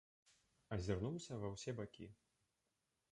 Азірнуўся ва ўсе бакі.